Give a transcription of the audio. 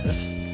bisa aja disini